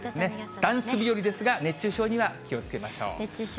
ダンス日和ですが、熱中症、気をつけましょう。